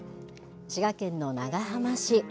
滋賀県の長浜市。